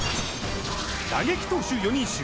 打撃投手４人衆。